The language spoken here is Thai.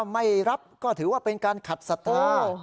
ถ้าไม่รับก็ถือว่าเป็นการขัดสทา